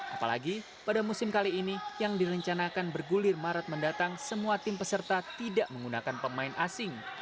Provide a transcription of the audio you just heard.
apalagi pada musim kali ini yang direncanakan bergulir maret mendatang semua tim peserta tidak menggunakan pemain asing